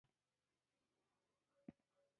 هغه وویل: د رخصتۍ د پاڼې اسناد دي.